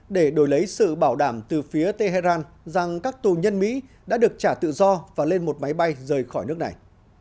để đổi lấy sự bảo đảm từ phía tehran rằng các tù nhân mỹ đã được trả tự do và lên một máy bay rời khỏi nước này